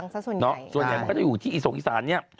ส่วนใหญ่มันก็จะอยู่ที่อิสงศ์อิสาน